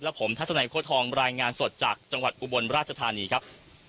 ผมทัศนัยโค้ทองรายงานสดจากจังหวัดอุบลราชธานีครับ